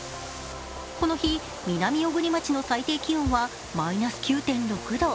この日、南小国町の最低気温はマイナス９．６度。